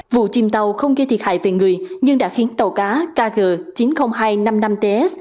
vụ chìm tàu không gây thiệt hại về người nhưng đã khiến tàu cá kg chín mươi nghìn hai trăm năm mươi năm ts